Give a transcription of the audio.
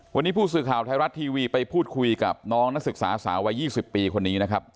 วันนี้ผู้สื่อข่าวไทยรัฐทีวีไปพูดคุยกับน้องนักศึกษาสาววัย๒๐ปีคนนี้นะครับ